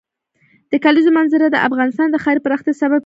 د کلیزو منظره د افغانستان د ښاري پراختیا سبب کېږي.